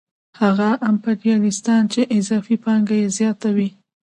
هغه امپریالیستان چې اضافي پانګه یې زیاته وي